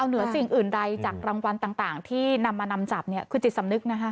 เหนือสิ่งอื่นใดจากรางวัลต่างที่นำมานำจับเนี่ยคือจิตสำนึกนะคะ